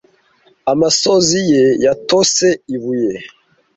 amosozi ye yatose ibuye